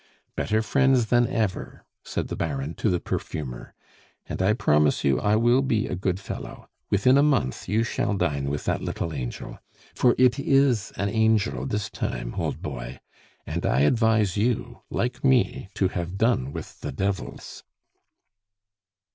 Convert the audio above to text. "Better friends than ever," said the Baron to the perfumer, "and I promise you I will be a good fellow. Within a month you shall dine with that little angel. For it is an angel this time, old boy. And I advise you, like me, to have done with the devils."